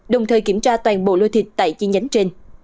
đồng thời kiểm tra toàn bộ lô thịt tại chi nhánh trên